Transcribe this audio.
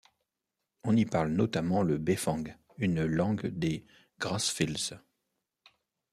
On y parle notamment le befang, une langue des Grassfields.